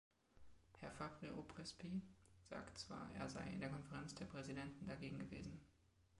Herr Fabre-Aubrespy sagt zwar, er sei in der Konferenz der Präsidenten dagegen gewesen.